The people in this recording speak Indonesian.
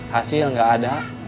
hasil gak ada